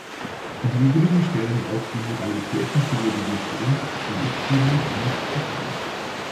Im übrigen stellen auch die Modalitäten für die Revision der Richtlinie nicht zufrieden.